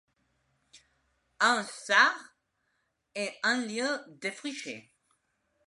Un 'sart' est un lieu défriché.